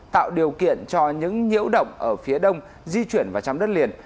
tạo điều kiện cho những nhiễu động ở phía đông di chuyển vào trong đất liền